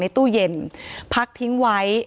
ตู้เย็นพักทิ้งไว้